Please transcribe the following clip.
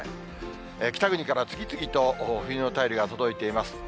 北国から次々と冬の便りが届いています。